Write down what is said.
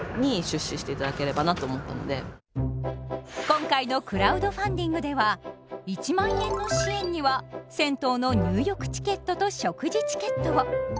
今回のクラウドファンディングでは１万円の支援には銭湯の入浴チケットと食事チケットを。